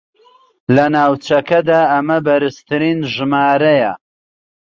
لە ناوچەکەدا ئەمە بەرزترین ژمارەیە